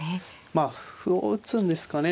まあ歩を打つんですかね